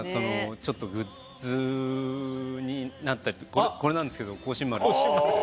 ちょっとグッズになったりとか、これなんですけど香辛丸。